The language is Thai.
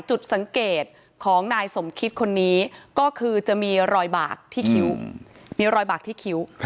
จุดสังเกตของนายสมคิดคนนี้ก็คือจะมีรอยบากที่คิ้วมีรอยบากที่คิ้ว